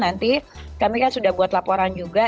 nanti kami kan sudah buat laporan juga